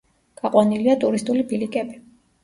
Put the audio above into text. გაყვანილია ტურისტული ბილიკები.